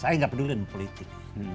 saya nggak peduli dengan politik